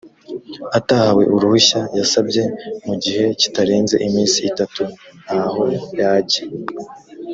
atahawe uruhushya yasabye mu gihe kitarenze iminsi itatu ntaho yajya